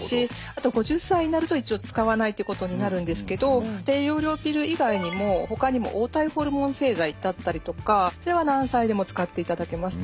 あと５０歳になると一応使わないっていうことになるんですけど低用量ピル以外にもほかにも黄体ホルモン製剤だったりとかそれは何歳でも使っていただけます。